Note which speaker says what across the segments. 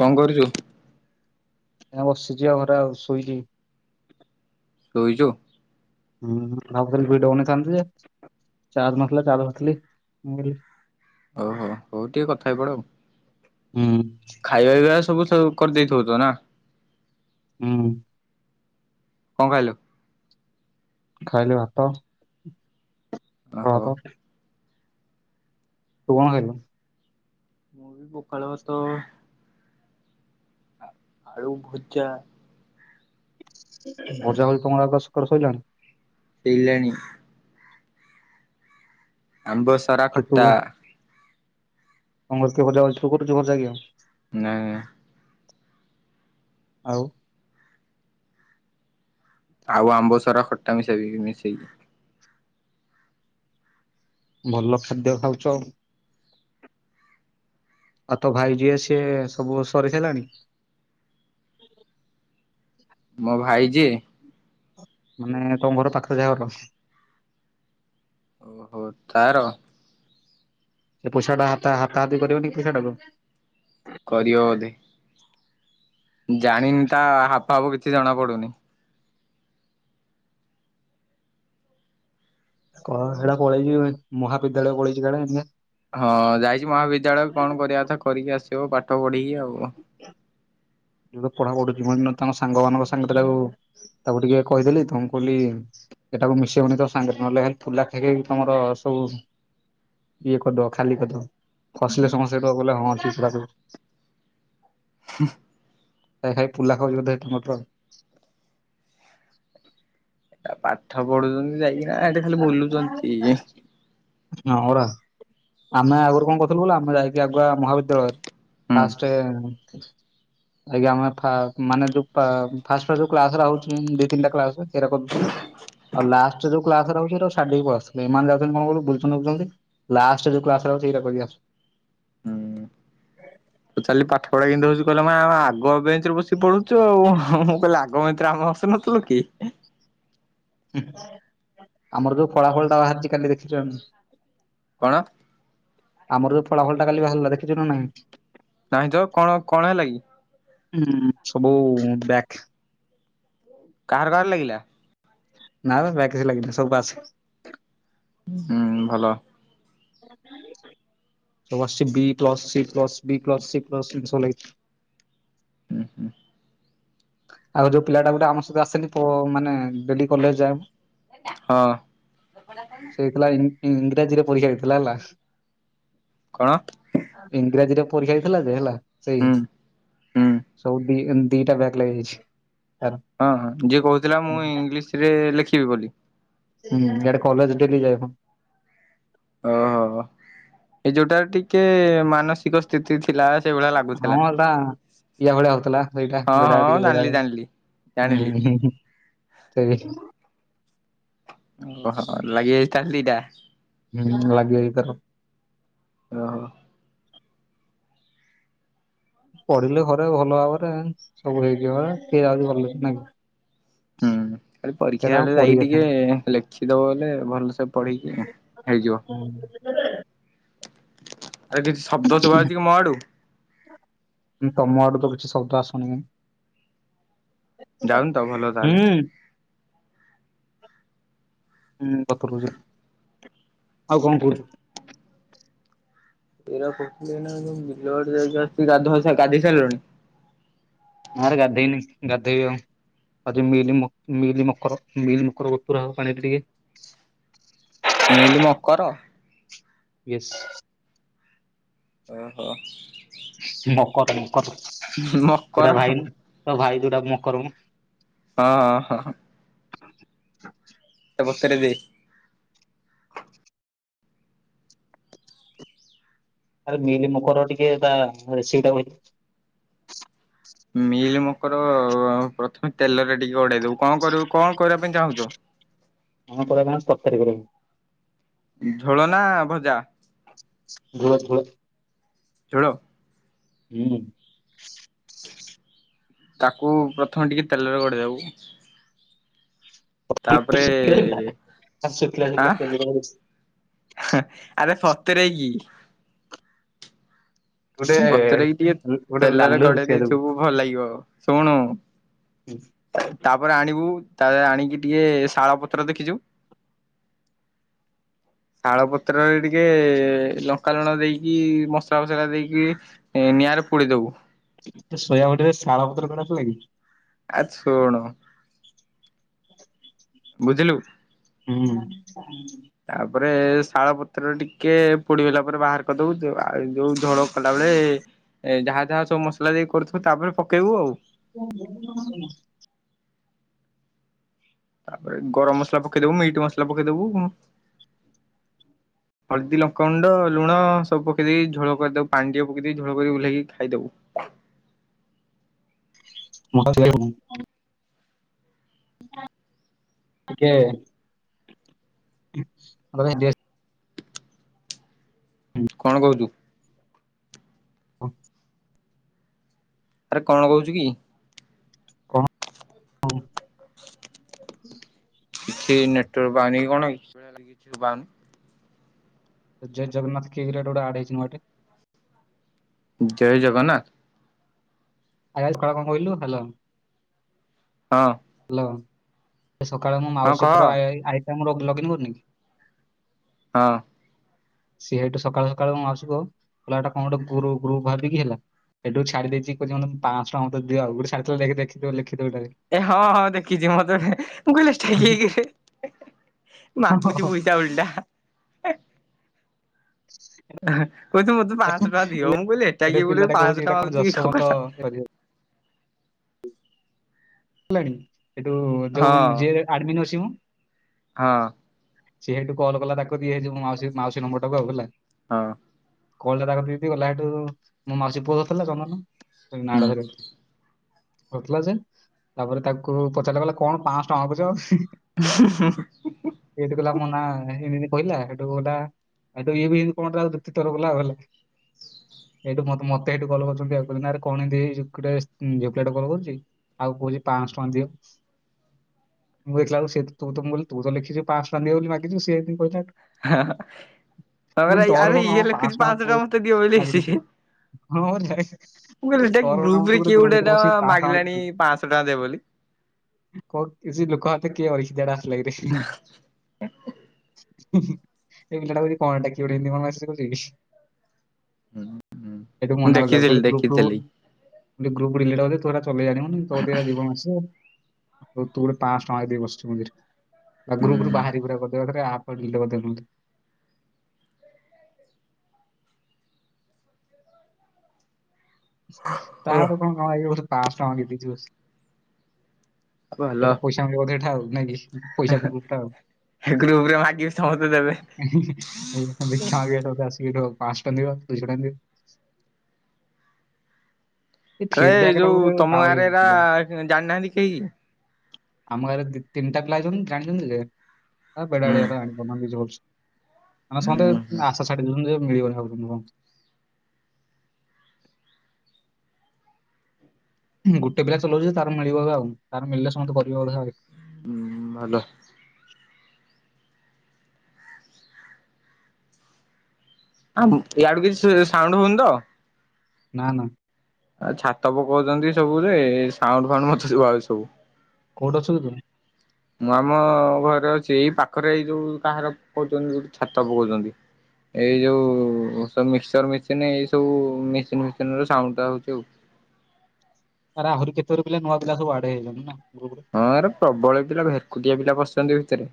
Speaker 1: କଣ କରୁଚୁ?
Speaker 2: ଏଇନା ବସିିଚି ଆଉ ଘରେ ଆଉ ଶୋଇଚି।
Speaker 1: ଶୋଇଚୁ?
Speaker 2: ହୁଁ, ଆଉ [unintelligible] ଭିଡିଓ ବନେଇ ଥାଆନ୍ତି ଯେ ଚାର୍ଜ ନଥିଲା, ଚାର୍ଜ ବସେଥିଲି ମୁ [inaudible]
Speaker 1: ଓହୋ, ହଉ ଟିକେ କଥା ହେଇ ପଡ ଆଉ।
Speaker 2: ହୁଁ।
Speaker 1: ଖାଇବା ପିଇବା ସବୁ ସ- କରିଦେଇଥିବୁ ତ ନା?
Speaker 2: ହୁଁ।
Speaker 1: କଣ ଖାଇଲୁ?
Speaker 2: ଖାଇଲି ଭାତ
Speaker 1: ଓହୋ।
Speaker 2: ଭାତ ତୁ କଣ ଖାଇଲୁ?
Speaker 1: ପଖାଳ ଭାତ ଆ, ଆଳୁ ଭଜା।
Speaker 2: ଭଜା ଭଜି [inaudible] ତୋମର ଆକା ସକାଳୁ ସୋଇଲାଣି?
Speaker 1: ହେଲାଣି। ଆମ୍ବସ୍
Speaker 2: କେ ତୁ ଅମର ଭଜା ତୁ କରୁଛୁ ଭଜା ଗି ଆଉ।
Speaker 1: ନା।
Speaker 2: ଆଉ।
Speaker 1: ଆଉ ଆମ୍ବ ସରା ଖଟା ମିଶେଇବିକି ମିଶେଇ।
Speaker 2: ଭଲ ଖାଦ୍ୟ ଖାଉଚ ଆଉ। ଆଉ ତୋ ଭାଇ ଯିଏ ସିଏ ସବୁ ସରି ସାଇଲାଣି।
Speaker 1: ମୋ ଭାଈ ଯିଏ।
Speaker 2: ମାନେ ତମ ଘର ପାଖରେ ଯା ଘର।
Speaker 1: ଓହୋ ତାର।
Speaker 2: ସେ ପଇସା ଟା ହାତ ହାତି କରିବ ନି କି ପଇସା ଟାକୁ।
Speaker 1: କରିବ ବୋଧେ। ଜାଣିନି ତା ହାବ ଭାବ କିଛି ଜଣା ପଡୁନି।
Speaker 2: କହ ସେଟା ପଳେଇଛି ମହାବିଦ୍ୟାଳୟ ପଳେଇଛି କାଳେ ଏଇନେକେ।
Speaker 1: ହଁ ଯାଇଛି ମହାବିଦ୍ୟାଳୟ କଣ କରିବା କଥା କରିକି ଆସିବ ପାଠ ପଢିକି ଆଉ।
Speaker 2: କ [inaudible] ଯଉ ତ ପଢା ପଢୁଛି ମୁଁ ହେଦିନ ତାଙ୍କ ସାଙ୍ଗମାନାଙ୍କ ସାଙ୍ଗ ତେରେ ଆଉ ତାକୁ ଟିକେ କହିଦେଲି ତ ମୁଁ କହିଲି। ଏଟାକୁ ମିଶେଇବନି ତ ସାଙ୍ଗେରେ ନହଲେ ଖାଲି ପୁଲା ଖାଇ ଖାଇ ତମର ସବୁ। ଇଏ କରିଦବ ଖାଲି କର ଦବ ହସିଲେ ସମସ୍ତେ ତ କହିଲେ ହଁ ଠିକ କଥା ସବୁ।
Speaker 1: ହୁ।
Speaker 2: ଖାଇ ଖାଇ ଫୁଲା ଖାଉଛି ବଧେ ତମର ତ ଆଉ।
Speaker 1: ପାଠ ପଢୁଛନ୍ତି ଯାଇକିନା ହେଠି ଖାଲି ବୁଲୁଚନ୍ତି ଇଏ।
Speaker 2: ହଁ ପରା। ଆମେ ଆଗୁରୁ କଣ କରୁଥିଲୁ କହିଲ ଆମେ ଯାଇକି ଆଗୁଆ ମହାବିଦ୍ୟାଳୟରେ
Speaker 1: ହୁଁ
Speaker 2: ଫାଷ୍ଟେ। [inaudible] ଆଜ୍ଞା ଆମେ ଫା ମାନେ ଯୋଉ ପା ଫାଷ୍ଟେ ଫାଷ୍ଟେ ଯଉ କ୍ଲାସରା ହଉଚି ଦି ତିନିଟା କ୍ଲାସ ସେରା କରୁଥିଲୁ। ଆଉ ଲାଷ୍ଟରେ ଯୋଉ କ୍ଲାସ ରହୁଛି ତାଙ୍କୁ ଛାଡି ଦେଇକି ପଳେଇ ଆସୁଥିଲି ଏମାନେ ଯାଉଛନ୍ତି କଣ କହିଲୁ ବୁଲଛନ୍ ବୁଲଛନ୍ତି। ଲାଷ୍ଟରେ ଯଉ କ୍ଲାସରା ହଉଚି ହେଇରା କରିବା।
Speaker 1: ପଚାରିଲି ପାଠ ପଢା କେମିତି ହଉଛି କହିଲା ମୁଁ ମା ଆଗୁଆ ବେଞ୍ଚ ରେ ବସି ପଢୁଛୁ ଆଉ ହୁଁ ହୁଁ। କହିଲା ଆଗ ବେଞ୍ଚ ରେ ଆମେ ବସିନଥୁଲୁ କି।
Speaker 2: ହୁଁ ଆମର ଯୋଉ ଫଳା ଫଳ ଟା ବାହାରିଚି କାଲି ଦେଖିଛନ।
Speaker 1: କଣ?
Speaker 2: ଆମର ଯୋଉ ଫଳା ଫଳ ଟା କାଲି ବାହାରିଲା ଦେଖିଛୁ ନା ନାହିଁ।
Speaker 1: ନାହିଁ ଚ କଣ କଣ ହେଲା କି?
Speaker 2: ହୁଁ ସବୁ ବ୍ୟାକ୍।
Speaker 1: କାହାର କାହାର ଲାଗିଲା।
Speaker 2: ନା ବେ ବ୍ୟାକ କିଛି ଲାଗିନି ସବୁ ପାସ୍।
Speaker 1: ହୁଁ ଭଲ।
Speaker 2: ହ [inaudible] ସବୁ ଆସଚି B plus, C plus, B plus, C plus ଏମିତି ସବୁ ଲାଗିଚି।
Speaker 1: ଉଁ ହୁଁ।
Speaker 2: ଆଉ ଯୋଉ ପିଲାଟା ଗୋଟେ ଆମ ସହିତ ଆସେନି ପ ମାନେ ଡେଲି କଲେଜ ଯାଏ ମ।
Speaker 1: ହଁ।
Speaker 2: ସେ ଏକେଲା ଇଂ ଇଂରାଜୀରେ ପରୀକ୍ଷା ଦେଇଥିଲା ହେଲା।
Speaker 1: କଣ?
Speaker 2: ଇଂରାଜୀରେ ପରୀକ୍ଷା ଦେଇଥିଲା ଯେ ହେଲା ସେଇ
Speaker 1: ହୁଁ ହୁଁ।
Speaker 2: ସବୁ ବି ଏମ୍ ଦିଟା ବ୍ୟାକ ଲାଗିଯାଇଚି।
Speaker 1: ହଁ ହଁ ଯିଏ କହୁଥିଲା ମୁଁ ଇଂଲିଶି ରେ ଲେଖିବି ବୋଲି
Speaker 2: ହୁଁ ଇଆଡେ କଲେଜ ଡେଲି ଯାଏ ନା।
Speaker 1: ଓହୋ ଏ ଯୋଉଟା ଟିକେ ମାନସ ଧିକ ସ୍ଥିତି ଥିଲା ସେଇଭଳିଆ ଲାଗୁଚି।
Speaker 2: ହଁ ଦା ଇଆ ଭଳିଆ ହଉଥିଲା ସେଇଟା ମୁଁ
Speaker 1: ହଁ
Speaker 2: ବଢିଆ
Speaker 1: ହଁ
Speaker 2: ଟିକେ ବଢିଆ
Speaker 1: ଜାଣିଲି
Speaker 2: ଭଳି
Speaker 1: ଜାଣିଲି
Speaker 2: ହୁଁ
Speaker 1: ଜାଣିଲି
Speaker 2: ହୁଁ ହୁଁ ହୁଁ। କେବେ କି
Speaker 1: ଓହୋ ଲାଗି ଯାଇଚି ତାହେଲେ ଦିଇଟା।
Speaker 2: ହୁଁ ଲାଗିଯାଇଚି ତାର।
Speaker 1: ଓହୋ।
Speaker 2: ପଢିଲେ ଘରେ ଭଲ ଭାବରେ ସବୁ ହେଇଯିବ ହେଁ। କିଏ ଯାଉଚି କଲେଜ ନାଇ କି?
Speaker 1: ହୁଁ ଖାଲି ପରୀକ୍ଷା ବେଳେ ଯାଇ
Speaker 2: ପଢିବା ପାଇଁ।
Speaker 1: ଟିକେ ଲେଖିଦବ ବଲେ ଭଲସେ ପଢିକି ହେଇଯିବ।
Speaker 2: [unintelligible]
Speaker 1: ଆରେ କିଛି ଶବ୍ଦ ଶୁଭା ଯାଉଚି କି ମୋ ଆଡୁ?
Speaker 2: ଉଁ ତମ ଆଡୁ ତ କିଛି ଶବ୍ଦ ଆସୁନି କାଇଁ।
Speaker 1: ଯାଉନି ତ ଭଲ
Speaker 2: ହୁଁ
Speaker 1: ତାହେଲେ।
Speaker 2: ହୁଁ ହୁଁ ବତୁରଉଚି। ଆଉ କଣ କୁହ?
Speaker 1: ଏରା କରୁଥିଲି ଏନା ଯୋଉ ବିଲୁ ଆଡୁ ଯାଇକି ଆସି ଗାଧୁଆ ସ ଗାଧେଇ ସାରିଲଣି?
Speaker 2: ନାରେ ଗାଧେଇନି ଗାଧେଇବି ଆଉ। ଆଜି ମିଲ ମ ମିଲି ମକର ମିଲ ମକର ବତୁରା ହବ ପାଣିରେ ଟିକେ।
Speaker 1: ମିଲ୍ ମକର?
Speaker 2: ୟେସ୍।
Speaker 1: ଓହୋ।
Speaker 2: ମକତ ମକତ
Speaker 1: ମକର
Speaker 2: ସେଟା ଭାଇ ତା ଭାଇ ଯୋଉଟା ମକର ମ।
Speaker 1: ହଁ ହଁ ହଁ। ତାକୁ ବତରେ ଦେଇ
Speaker 2: ଆରେ ମିଲ ମୁକର ଟିକେ ତା ରେସିପି ଟା କହିଲୁ?
Speaker 1: ମିଲ୍ ମକର ପ୍ରଥମେ ତେଲରେ ଟିକେ ଗଡେଇ ଦବୁ। କଁ କରିବୁ କଣ କରିବା ପାଇଁ ଚାହୁଁଚ?
Speaker 2: କଣ କରିବା ପାଇଁ ତରକାରୀ କରିବୁ।
Speaker 1: ଝୋଳ ନା ଭଜା?
Speaker 2: ଝୋଳ ଝୋଳ।
Speaker 1: ଝୋଳ?
Speaker 2: ହୁଁ।
Speaker 1: ତାକୁ ପ୍ରଥମେ ଟିକେ ତେଲରେ ଗଡେଇ ଦବୁ। ତାପରେ
Speaker 2: ଶୁଖିଲା ଶୁଖିଲା
Speaker 1: ଆଁ?
Speaker 2: ତେଲ ଗୋଟେ
Speaker 1: ଆରେ ସତରି କି? ବତରେଇକି ଟିକେ
Speaker 2: ଗୋଟେ
Speaker 1: ତେଲରେ
Speaker 2: ଲାଲୁ
Speaker 1: ଗଡେଇ
Speaker 2: ରୁଷିଆ ଦବୁ
Speaker 1: ଦେଇଥିବୁ ଭଲ ଲାଗିବ ଶୁଣୁ। ଏ ତାପରେ ଆଣିବୁ ତାରେ ଆଣିକି ଟିକେ ଶାଳ ପତ୍ର ଦେଖିଚୁ? ଶାଳ ପତ୍ରରେ ଟିକେ ଲଙ୍କା ଲୁଣ ଦେଇକି ମସଲା ଫସଲା ଦେଇକି ଏ ନିଆଁରେ ପୋଡିଦବୁ।
Speaker 2: ସେ ସୋୟା ବଡିରେ ଶାଳ ପତ୍ର କଣ ଥିଲା କି?
Speaker 1: ଆ ଶୁଣୁ। ବୁଝିଲୁ।
Speaker 2: ହୁଁ।
Speaker 1: ତାପରେ ଶାଳ ପତ୍ର ଟିକେ ପୋଡିଗଲା ପରେ ବାହାର କରିଦବୁ, ଆଉ ଯୋଉ ଝୋଳ କଲା ବେଳେ ଏ ଯାହା ଯାହା ସବୁ ମସଲା ଦେଇ କରୁଥିବୁ ତାପରେ ପକେଇବୁ ଆଉ।
Speaker 2: [unintelligible]
Speaker 1: ତାପରେ ଗରମ ମସଲା ପକେଇଦବୁ, ମିଟ୍ ମସଲା ପକେଇଦବୁ ଉଁ। ହଳଦୀ, ଲଙ୍କା ଗୁଣ୍ଡ, ଲୁଣ ସବୁ ପକେଇ ଦେଇ ଝୋଳ କରିଦବୁ ପାଣି ଟିକିଏ ପକେଇ ଦେଇ ଝୋଳ କରିି ଓହ୍ଲେଇକି ଖାଇଦବୁ।
Speaker 2: [unintelligible] ଟିକେ [unintelligible]
Speaker 1: କଣ କହୁଚୁ?
Speaker 2: ହଁ।
Speaker 1: ଆରେ କଣ କହୁଚୁ କି?
Speaker 2: କଣ ହଁ
Speaker 1: କିଛି ନେଟୱର୍କ ପାଉନି କି କଣ କିଛି ଶୁଣା ଶୁଭା ଯାଉନି।
Speaker 2: ଜଗନ୍ନାଥ କିଏ କିରେ ଗୋଟେ ଆଡ ହେଇଛି ନୂଆଟେ।
Speaker 1: ଜୟ ଜଗନ୍ନାଥ।
Speaker 2: ଆ ଆଜି କଣ କଣ କହିଲୁ ହାଲୋ।
Speaker 1: ହଁ।
Speaker 2: ହେଲୋ ସକାଳେ ମୁଁ
Speaker 1: ହଁ କହ
Speaker 2: ମାଉସୀ ପୁଅ ର ଆଇଡି ଲଗେଇନ କରୁନି କି?
Speaker 1: ହଁ।
Speaker 2: ସିଏ ହେଇଠୁ ସକାଳୁ ସକାଳୁ ମାଉସି ପୁଅ କହିଲାଟା କଣ ଗୋଟେ ଗୁ ଗ୍ରୁପ୍ ଭାବିକି ହେଲା। ଏଠୁ ଛାଡି ଦେଇଛି କହୁଛି ମତେ ପାଆଁସହ ଟଙ୍କା ଦିଅ ଆଉୋ ଗୋଟେ ଛାଡ଼ି ଦେଖିିଦବ ଗୋଟେ।
Speaker 1: ଏ ହଁ ହଁ ଦେଖିଛି ମତେ ମୁଁ କହିଲି ଇଏ କିଏକିରେ
Speaker 2: ହଁ ହଁ
Speaker 1: ମାଗୁଛି
Speaker 2: ହଁ।
Speaker 1: ପଇସା। ଉଲଟା। କହୁଛି ମତେ ପାଞ୍ଚଶହ ଟଙ୍କା ଦିଅ ମୁଁ କହିଲି
Speaker 2: [inaudible] ଏଟା
Speaker 1: କିଏ ଗୋଟେ
Speaker 2: ପିଲାଟା
Speaker 1: ପାଞ୍ଚଶହ
Speaker 2: କହୁଛି
Speaker 1: ଟଙ୍କା
Speaker 2: ଏଇଟା କଣ
Speaker 1: ମାଗୁଛି କି କକା
Speaker 2: ଯଶବନ୍ତ
Speaker 1: ହଁ।
Speaker 2: କରି ବାକୁ ହେଲଣି ଏଠୁ ଯୋଉ ଯିଏ ଆଡମୀନ ଅଛିମ
Speaker 1: ହଁ।
Speaker 2: ସିଏହେଠୁ କଲ କଲା ତାକୁ ଦିଆଇଯିବ ମ ମାଉ ମାଉସୀ ନମ୍ବର ଟାକୁ ଆଉ ହେଲା।
Speaker 1: ହଁ।
Speaker 2: କଲ ତା କତିକି ଗଲା ଏଟୁରୁ ମୋ ମାଉସୀ ପୁଅ ଧରିଥିଲା ଚନ୍ଦନ। ନା
Speaker 1: ହୁଁ
Speaker 2: ଟା ଧରି ବାକୁ କହୁଥିଲା ଯେ ତାପରେ ତାକୁ ପଚାରିଲା କହିଲା କଣ ପାଞ୍ଚଶହ ଟଙ୍କା ହବ ଜ।
Speaker 1: [unintelligible]
Speaker 2: ଏଇ ହେଟୁ କହିଲା ମୋନା ଇନ୍ତି ଇନ୍ତୀ କହିଲା ହେଟୁ [unintelligible] ହେତୁ ଇଏ ବି ହିନ୍ତି କଣ ତାର ଯୁକ୍ତି ତର ଗଲା ହେଲା। ଏଇଠୁ ମତେ ମତେ ହେଠୁଁ କଲ କରୁଛନ୍ତି ଆଉ କହିଲ ନା ଆରେ କଣ ଏମିତି ଗୋଟେ ଝିଆପିଲାଟେ କଲ କରୁଛି। ଆଉ କହୁଛି ପାଞ୍ଚଶହ ଟଙ୍କା ଦିଅ। ମୁଁ ଦେଖିଲା ବେଳୁ ସେ ତୁ ତଁ ମୁଁ କହିଲି ତ ଲେଖିଛୁ ପାଞ୍ଚସହ ଦିଅ ବୋଲି ମାଗିଛୁ ସେ ବି କହିଛ
Speaker 1: ହ ବାବନ ଭାଇ ଆର
Speaker 2: କଣ
Speaker 1: ଇଏ
Speaker 2: କାମ
Speaker 1: ଲେଖଛି
Speaker 2: ପାଞ୍ଚଶହ ଟଙ୍କା
Speaker 1: ପାଞ୍ଚ ଟା
Speaker 2: ପ-
Speaker 1: ମତେ ଦିଅ ବୋଲି।
Speaker 2: ମାଗି ଦେଇଛି
Speaker 1: ମୁଁ
Speaker 2: ହଁ ପରା। ମୁଁ କହିଲି,
Speaker 1: କହିଲି ସେଟ
Speaker 2: ତୋର କଣ କାମ ତୁ
Speaker 1: ଗ୍ରୁପରେ କିଏ
Speaker 2: ଗ୍ରୁପ୍
Speaker 1: ଗୋଟେ
Speaker 2: ଭିତରେ
Speaker 1: ଟା
Speaker 2: ବସିକି ପାଞ୍ଚଶହ ଟଙ୍କା ମାଗି
Speaker 1: ମାଗିଲାଣି ପାଞ୍ଚଶହ ଟଙ୍କା ଦେ ବୋଲି।
Speaker 2: ବହୁତ ଇଜି ଲୋକ ହାତେ କି ଅଦୋଡସ ଆସିଲାକିରେ। ଏଇ ପିଲାଟା କହୁଚି କଣ ଡାକିବ କେମିତି କଣ ମେସେଜ କରୁଛିକି? ହେଟ୍ରୁ
Speaker 1: ମୁଁ
Speaker 2: ମନା କଲି ଟାକୁ
Speaker 1: ଦେଖିଥିଲି
Speaker 2: ଗ୍ରୁପ୍
Speaker 1: ଦେଖିଥିଲି
Speaker 2: ଫ୍ରୁପ୍ ଗ୍ରୁପ୍ ଡିଲେଟ୍ କରିଦେ ତୁ ସେଇରା ଚଲେଇ ପାରିବୁନି। ତା ଜୀବନ ଆସିବଉ ତୁ ଗୋଟେ ପାଞ୍ଚଶହ ଟଙ୍କା ଦେଇ ବସିଚୁ ମନ୍ଦିରେ। ବା ଗ୍ରୁପରୁ ବାହାରି ପୁରା କରିଦେ ଆପ ଡିଲେ କରି ଦେଉଛନ୍ତି। ତାର କଣ କାମ ପାଞ୍ଚଶହ ଟଙ୍କା ଦେଇ ଦେଇଚି ବସିକି ସେଟା ପଇସା ସଙ୍ଗେ ବୋଧେ ଥାଉ ନାଇକି?
Speaker 1: ଗ୍ରୁପରେ କହିଲେ ସମସ୍ତ ଦେବେ।
Speaker 2: ଦେଖିଆ ଆସିକି କହିବା ପାଞ୍ଚସହ ଟଙ୍କା ଦିଅ ଦୁଇଶହ ଟଙ୍କା ଦିଅ। ଏ
Speaker 1: ଆରେ
Speaker 2: ଫିଡବ୍ୟାକ ଟା
Speaker 1: ଯୋଉ
Speaker 2: ଗୋଟେ
Speaker 1: ତମ
Speaker 2: ବାଉଳି
Speaker 1: ଗାଁରେ
Speaker 2: ହଉଛି
Speaker 1: ଏରା
Speaker 2: ପିଲା
Speaker 1: ଜାଣିନାହାନ୍ତି କେହି?
Speaker 2: ଆମ ଗାଁରେ ତିନିଟା ପିଲା ଜାଣିଛନ୍ତି ଯେ
Speaker 1: ହୁଁ
Speaker 2: ବେଡାଳିଆ ଆରା। ସମସ୍ତେ
Speaker 1: ହୁଁ
Speaker 2: ଆଶା ଛାଡି ଦଉଛନ୍ତି ମିଳିବନି ଆଉ ଗୋଟେ ପିଲା ଚଲାଉଛି ତାର ମିଳିବ ଏକା ଆଉ ତାର ମିଳିଲେ ସମସ୍ତେ କରିବେ ବୋଧେ ଆଉ
Speaker 1: ହୁଁ ଭଲ। ଆଁ ୟାଡୁ କିଛି ସାଉଣ୍ଡ ହଉନି ତ?
Speaker 2: ନା ନା।
Speaker 1: ଆଉ ଛାତ ପକାଉଛନ୍ତି ସବୁଯେ ସାଉଣ୍ଡ ଫାଉଣ୍ଡ ମତେ ଶୁଣାଯାଉଛି ଆଉ ସବୁ।
Speaker 2: କୋଉଠି ଅଛୁ କି ତୁ?
Speaker 1: ମୁଁ ଆମ ଘରେ ଅଛି ଏଇ ପାଖରେ ଏଇ ଯୋଉ କାହାର କଉଛନ୍ତି ଯୋଉଠି ଛାତ ପକାଉଛନ୍ତି। ଏଇ ଯୋଉ ସବୁ ମିକ୍ସଚର ମେସିନ ଏଇ ସବୁ ମେସିନ ଫସିନର ସାଉଣ୍ଡ ଟା ହଉଛି ଆଉ
Speaker 2: ଆରେ ଆହୁରି କେତେର ପିଲା ନୂଆପିଲାସବୁ ଆଡେ ହେଇଯାଇଛନ୍ତିନା ଗ୍ରୁପ୍ରରେ
Speaker 1: ହଁରେ ପ୍ରବଳ ପିଲା ଭେରକୁଟିଆ ପିଲା ପଶିଛନ୍ତି ଭିତରେ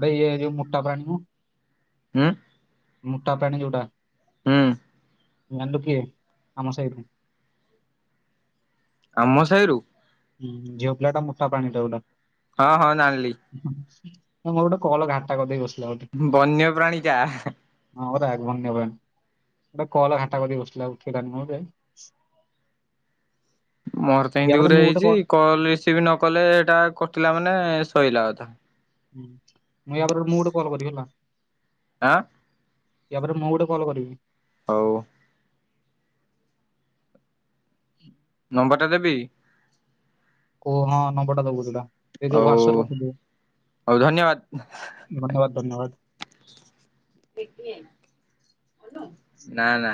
Speaker 2: ଆରେ ଇଏ ଯୋଉ ମୋଟା ପ୍ରାଣୀକୁ
Speaker 1: ହୁଁ
Speaker 2: ମୋଟା ପାଣି ଯୋଉଟା
Speaker 1: ହୁଁ
Speaker 2: ମାଣ୍ଡୁ କିଏ ଆମ ସହିତ
Speaker 1: ଆମ ସାହିରୁ
Speaker 2: ହଁ ଝିଅ ପିଲାଟା ମୋଠା ପ୍ରାଣିଟା ଯୋଉଟା।
Speaker 1: ହଁ ହଁ ଜାଣିଲି?
Speaker 2: ମୋର ଗୋଟେ କଲ ଘାଟା କରିଦେଇ ବ
Speaker 1: ବନ୍ୟ ପ୍ରାଣୀ ଯା
Speaker 2: ହଁ ପରା ଏକ ବନ୍ୟପ୍ରାଣୀ। ଗୋଟେ କଲ ଘାଣ୍ଟା କରିି ବସିଲା ଆ କ
Speaker 1: ମୋର ତ ସେମିତି
Speaker 2: ୟାପରେ
Speaker 1: ଗୋଟେ
Speaker 2: ମୁଁ
Speaker 1: ହେଇଛି
Speaker 2: କ-
Speaker 1: କଲ ରିସିଭ ନ କଲେ ଏଇଟା କଟିଲା ମାନେ ଶଇଲା କଥା
Speaker 2: ହୁଁ ମୁଁ ଆ ପରେ ମୁଁ ଗୋଟେ କଲ କରିବି ହେଲା।
Speaker 1: ଆଁ।
Speaker 2: ତାପରେ ମୁଁ ଗୋଟେ କଲ କରିବି।
Speaker 1: ହଉ ହଉ। ନମ୍ବରଟା ଦେବି।
Speaker 2: ଓ ହଁ ନମ୍ବରଟା ଦବୁ ଏ
Speaker 1: ହଉ
Speaker 2: ହ୍ୱାଟସପ କରିଥିଲୁ।
Speaker 1: ହଉ ଧନ୍ୟବାଦ
Speaker 2: ଧନ୍ୟବାଦ ଧନ୍ୟବାଦ।
Speaker 1: ନା ନା।